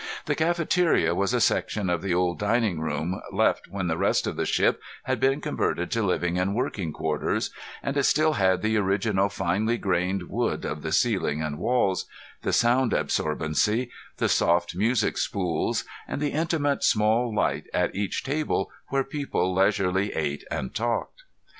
The cafeteria was a section of the old dining room, left when the rest of the ship had been converted to living and working quarters, and it still had the original finely grained wood of the ceiling and walls, the sound absorbency, the soft music spools and the intimate small light at each table where people leisurely ate and talked.